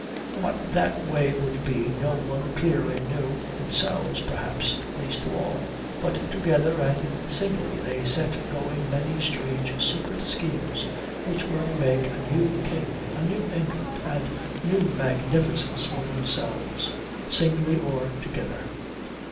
What that way would be no one clearly knew, themselves, perhaps, least of all. But together and singly they set going many strange secret schemes which were to make a new king, a new England, and new magnificence for themselves, singly or together.